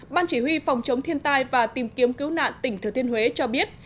ban chỉ huy phòng chống thiên tai và tìm kiếm cứu nạn tỉnh thừa thiên huế cho biết